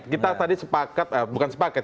kita tadi sepakat bukan sepaket